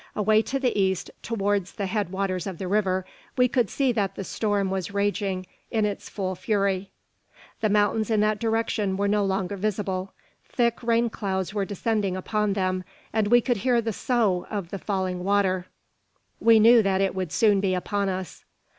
Away to the east, towards the head waters of the river, we could see that the storm was raging in its full fury. The mountains in that direction were no longer visible. Thick rain clouds were descending upon them, and we could hear the sough of the falling water. We knew that it would soon be upon us.